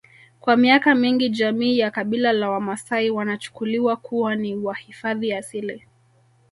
Kwa miaka mingi jamii ya kabila la wamaasai wanachukuliwa kuwa ni wahifadhi asili